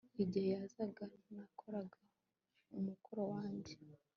Igihe yazaga nakoraga umukoro wanjye